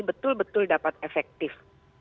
betul betul dapat efektif